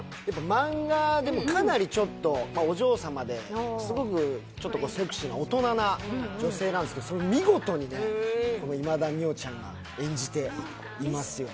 漫画でもかなりお嬢様で、すごくセクシーな大人な女性なんですけどそれを見事に今田美桜ちゃんが演じていますよね。